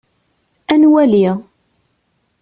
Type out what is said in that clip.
Ad nwali.